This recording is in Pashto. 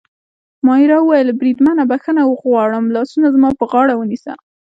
مانیرا وویل: بریدمنه، بخښنه غواړم، لاسونه زما پر غاړه ونیسه.